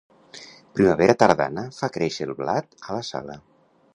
Primavera tardana fa créixer el blat a la sala.